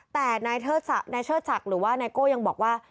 แต่นายเชิดศักดิ์หรือว่าไนโก้ยังบอกว่า